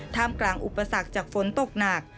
มกลางอุปสรรคจากฝนตกหนัก